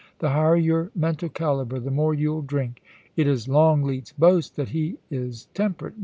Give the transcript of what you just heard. The higher your mental calibre, the more you'll drink. It is Longleat's boast that he is temperate.